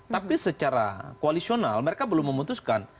tapi secara koalisional mereka belum memutuskan